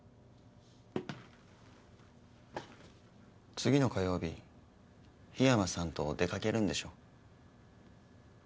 次の火曜日緋山さんと出かけるんでしょ？